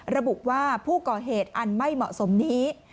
ระบุว่าผู้ก่อเหตุอันไม่เหมาะสมนี้